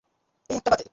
এই একটা বাদে।